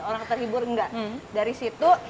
orang terhibur enggak dari situ